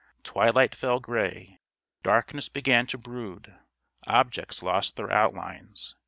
Twilight fell gray; darkness began to brood; objects lost their outlines.